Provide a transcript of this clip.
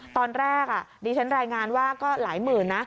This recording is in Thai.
ตอนแรกดิฉันรายงานว่าก็หลายหมื่นนะ